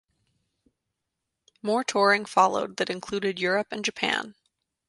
More touring followed that included Europe and Japan.